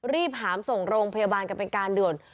หามส่งโรงพยาบาลกันเป็นการด่วน